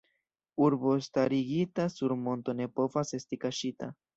Urbo starigita sur monto ne povas esti kaŝita.